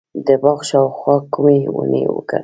د باغ شاوخوا کومې ونې وکرم؟